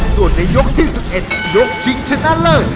ส่วนในยกที่สิบเอ็ดยกชิงชนะเลิก